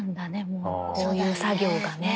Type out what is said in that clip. もうそういう作業がね。